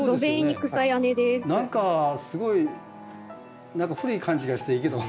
何かすごい古い感じがしていいけど。